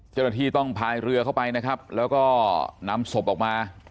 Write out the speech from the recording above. เจ้าหน้าที่ต้องพายเรือเข้าไปนะครับแล้วก็นำศพออกมา